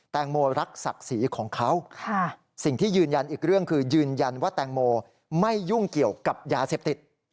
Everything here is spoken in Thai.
แตงโมรักศักดิ์ศรีของเขาสิ่งที่ยืนยันอีกเรื่องคือยืนยันว่าแตงโมไม่ยุ่งเกี่ยวกับยาเสพติด